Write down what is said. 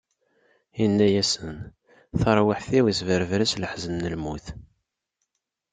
Inna-asen: Taṛwiḥt-iw, isberber-as leḥzen n lmut.